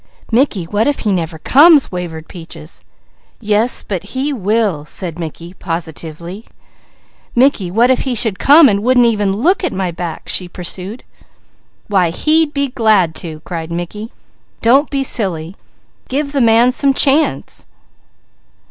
"Mickey, what if he never comes?" wavered Peaches. "Yes, but he will!" said Mickey positively. "Mickey, what if he should come, an' wouldn't even look at my back?" she pursued. "Why, he'd be glad to!" cried Mickey. "Don't be silly. Give the man some chance!"